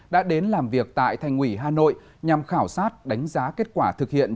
đã đến làm việc tại thành ủy hà nội nhằm khảo sát đánh giá kết quả thực hiện